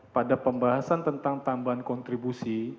pada pembahasan tentang tambahan kontribusi